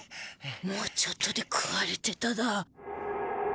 もうちょっとで食われてただ。